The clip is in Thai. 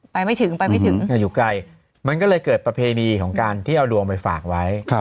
ไม่ถึงไปไม่ถึงอยู่ไกลมันก็เลยเกิดประเพณีของการที่เอาดวงไปฝากไว้